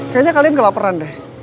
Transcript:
kayaknya kalian kelaperan deh